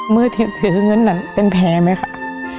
เมื่อถือเงินนั้นเป็นแพงไหมครับ